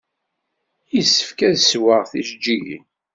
Yessefk ad ssweɣ tijejjigin.